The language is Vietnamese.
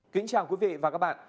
kính chào quý vị và các bạn